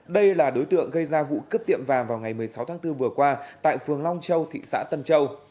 đây là đối tượng gây ra vụ cướp tiệm vàng vào ngày một mươi sáu tháng bốn vừa qua tại phường long châu thị xã tân châu